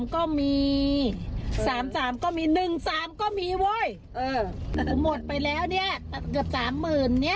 ๓ก็มีเว้ยหมดไปแล้วเนี่ยเกือบ๓๐๐๐๐เนี่ย